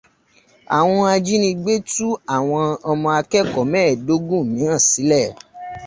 Àwọn ajínigbé tú àwọn ọmọ akẹ́kọ̀ọ́ mẹ́ẹ̀dọ́gun míràn sílẹ̀.